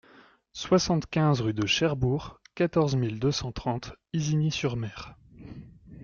soixante-quinze rue de Cherbourg, quatorze mille deux cent trente Isigny-sur-Mer